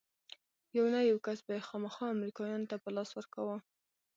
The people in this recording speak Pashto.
يو نه يو کس به يې خامخا امريکايانو ته په لاس ورکاوه.